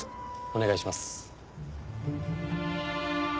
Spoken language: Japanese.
お願いします。